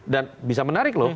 dan bisa menarik loh